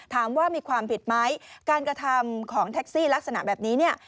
ถามว่ามีความผิดไหมการกระทำของแท็กซี่ลักษณะแบบนี้เนี่ย